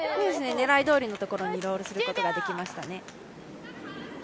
狙いどおりのところにロールすることができましたね。